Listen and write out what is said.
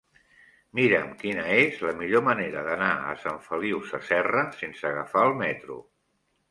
Mira'm quina és la millor manera d'anar a Sant Feliu Sasserra sense agafar el metro.